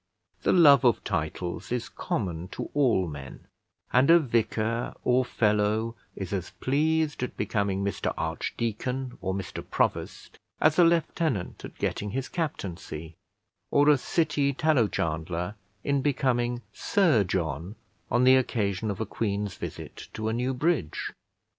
The love of titles is common to all men, and a vicar or fellow is as pleased at becoming Mr Archdeacon or Mr Provost, as a lieutenant at getting his captaincy, or a city tallow chandler in becoming Sir John on the occasion of a Queen's visit to a new bridge.